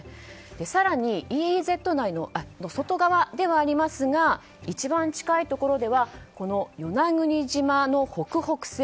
更にＥＥＺの外側ではありますが一番近いところでは与那国島の北北西